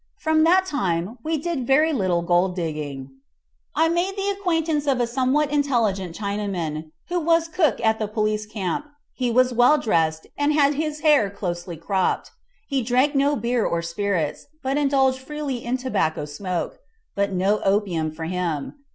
From that time we did very little gold digging. I made the acquaintance of a somewhat intelligent Chinaman, who was cook at the police camp. He was well dressed, and had his hair closely cropped. He drank no beer or spirits, but indulged freely in tobacco smoke; but no opium for him.